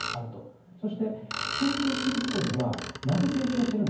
そして成長してるところではなぜ成長しているのか。